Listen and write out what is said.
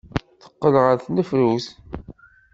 Teqqel ɣer tnefrut.